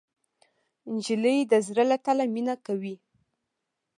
نجلۍ د زړه له تله مینه کوي.